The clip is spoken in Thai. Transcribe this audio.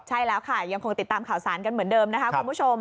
ใช่แล้วค่ะยังคงติดตามข่าวสารกันเหมือนเดิมนะคะคุณผู้ชม